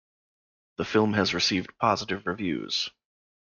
The film has received positive reviews.